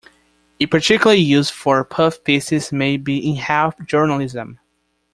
A particular use for puff pieces may be in health journalism.